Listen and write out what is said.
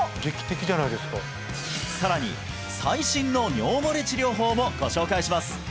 さらに最新の尿漏れ治療法もご紹介します